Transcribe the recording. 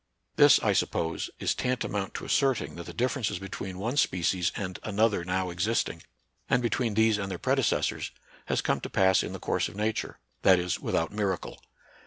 This, I suppose, is tantamount to asserting .that the differences between one 48 NATURAL SCIENCE AND RELIGION. species and another now existing, and between these and their predecessors, has come to pass in the course of Nature ; that is, without miracle.